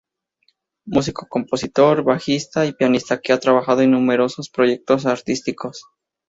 Músico compositor, bajista y pianista que ha trabajado en numerosos proyectos artísticos.